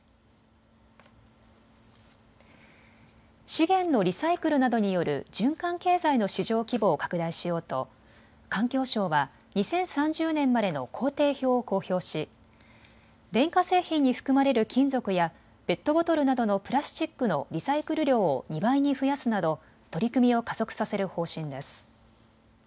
資源のリサイクルなどによる循環経済の市場規模を拡大しようと環境省は２０３０年までの工程表を公表し、電化製品に含まれる金属やペットボトルなどのプラスチックのリサイクル量を２倍に増やすなど取り組みを加速させる方針です。